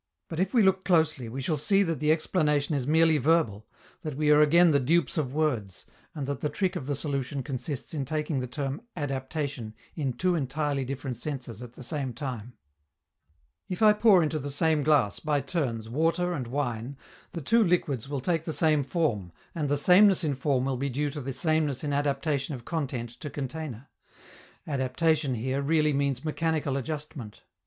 But if we look closely, we shall see that the explanation is merely verbal, that we are again the dupes of words, and that the trick of the solution consists in taking the term "adaptation" in two entirely different senses at the same time. If I pour into the same glass, by turns, water and wine, the two liquids will take the same form, and the sameness in form will be due to the sameness in adaptation of content to container. Adaptation, here, really means mechanical adjustment.